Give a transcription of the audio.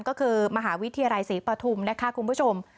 ก็คือมหาวิทยาลัยศรีปฐุมนะคะคุณผู้ชม